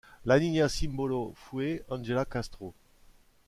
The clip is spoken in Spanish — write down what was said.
La niña símbolo fue Ángela Castro.